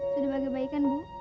sudah agak baik kan bu